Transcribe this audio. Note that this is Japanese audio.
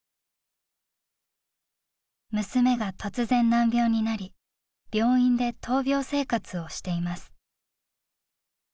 「娘が突然難病になり病院で闘病生活をしています」。